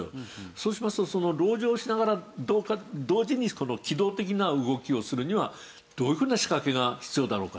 そうしますと籠城しながら同時に機動的な動きをするにはどういうふうな仕掛けが必要だろうか。